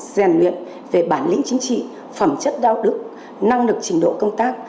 rèn luyện về bản lĩnh chính trị phẩm chất đạo đức năng lực trình độ công tác